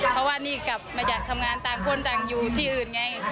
เพราะว่านี่กลับมาจากทำงานต่างคนต่างอยู่ที่อื่นไง